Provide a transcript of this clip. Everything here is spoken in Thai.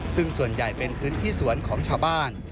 ซึ่งส่วนใหญ่เป็นพื้นที่สวนของชาวบ้าน